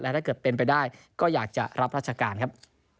ถ้าเกิดเป็นไปได้ก็อยากจะรับราชการครับ